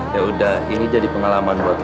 ya sudah ini jadi pengalaman untuk kamu